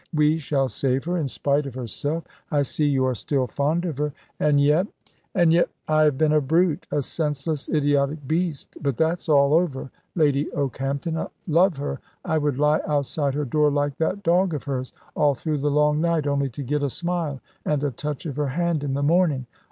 We shall save her, in spite of herself. I see you are still fond of her, and yet " "And yet I have been a brute, a senseless, idiotic beast. But that's all over, Lady Okehampton. Love her! I would lie outside her door, like that dog of hers, all through the long night only to get a smile and a touch of her hand in the morning.